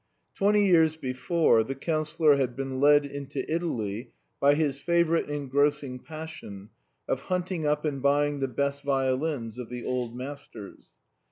Twenty years before, the Councillor had been led into Italy by his favourite engrossing pas sion of hunting up and buying the best violins of the old masters.